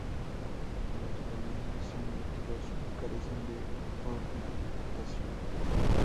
Los volúmenes son nítidos y carecen de ornamentación.